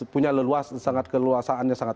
punya leluas sangat keluasaannya sangat